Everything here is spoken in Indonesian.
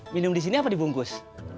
minum disini apa dibungkus